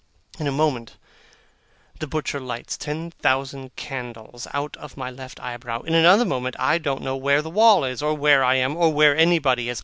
In a moment the butcher lights ten thousand candles out of my left eyebrow. In another moment, I don't know where the wall is, or where I am, or where anybody is.